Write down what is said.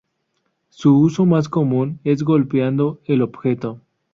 Su uso más común es golpeando el objeto.